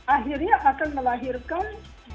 akhirnya akan melahirkan